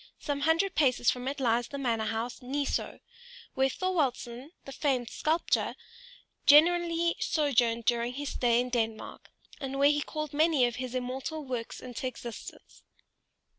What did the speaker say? Some hundred paces from it lies the manor house Ny Soe, where Thorwaldsen, the famed sculptor, generally sojourned during his stay in Denmark, and where he called many of his immortal works into existence.